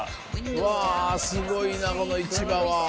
うわすごいなこの市場は。